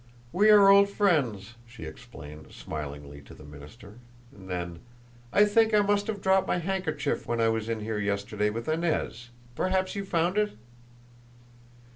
"We are old friends," she explained, smilingly, to the minister. Then: "I think I must have dropped my handkerchief when I was in here yesterday with Inez. Perhaps you found it?"